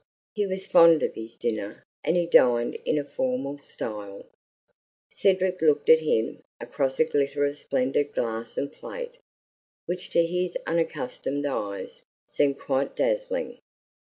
He was fond of his dinner, and he dined in a formal style. Cedric looked at him across a glitter of splendid glass and plate, which to his unaccustomed eyes seemed quite dazzling.